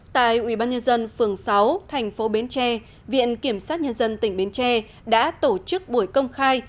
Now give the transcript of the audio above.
tại ubnd phường sáu thành phố bến tre viện kiểm sát nhân dân tỉnh bến tre đã tổ chức buổi công khai